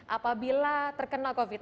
apabila terkena covid sembilan